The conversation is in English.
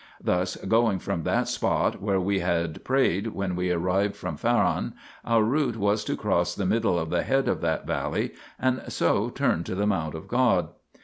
Thus, going from that spot where we had prayed when we arrived from Faran, 4 our route was to cross the middle of the head of that valley, and so turn to the mount of God.